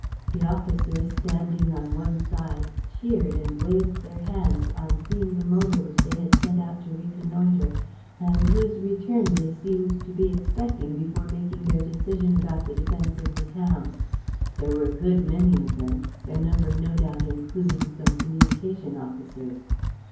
The officers, standing on one side, cheered and waved their hands on seeing the motor which they had sent out to reconnoiter and whose return they seemed to be expecting before making their decision about the defense of the town. There were a good many of them, their number no doubt including some communication officers.